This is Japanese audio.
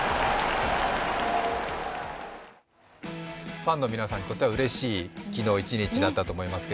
ファンの皆さんにとってはうれしい昨日一日だったと思います。